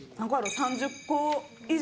３０個以上。